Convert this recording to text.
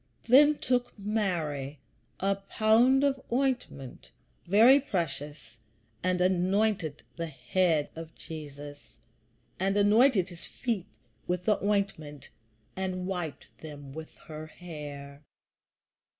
Then took Mary a pound of ointment, very precious, and anointed the head of Jesus, and anointed his feet with the ointment, and wiped them with her hair.